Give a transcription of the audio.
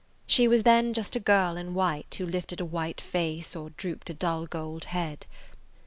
She was then just a girl in white who lifted a white face or drooped a dull gold head.